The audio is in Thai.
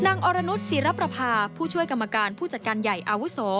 อรนุษย์ศิรประพาผู้ช่วยกรรมการผู้จัดการใหญ่อาวุโส